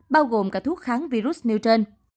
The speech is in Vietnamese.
bao gồm cả thuốc kháng virus nêu trên